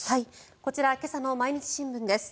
こちら今朝の毎日新聞です。